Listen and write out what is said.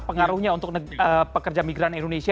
pengaruhnya untuk pekerja migran indonesia